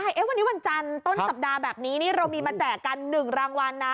วันนี้วันจันทร์ต้นสัปดาห์แบบนี้นี่เรามีมาแจกกัน๑รางวัลนะ